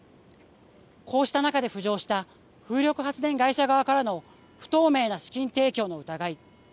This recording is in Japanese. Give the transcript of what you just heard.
こうした中で浮上した風力発電会社側からの不透明な資金提供の疑い。